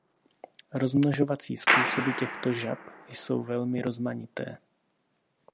Rozmnožovací způsoby těchto žab jsou velmi rozmanité.